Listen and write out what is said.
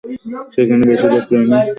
সেখানে বেশির ভাগ প্রাণী মারা যায়।